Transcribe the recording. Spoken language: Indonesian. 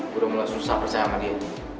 udah mulai susah percaya sama dia